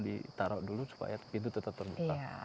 ditaruh dulu supaya pintu tetap terbuka